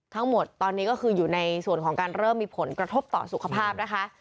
ทั้งหมดตอนนี้ก็คืออยู่ในส่วนของการเริ่มมีผลกระทบต่อสุขภาพนะคะ